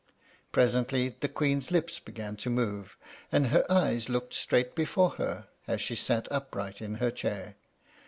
Presently, the Queen's lips began to move, and her eyes looked straight before her, as she sat upright in her chair.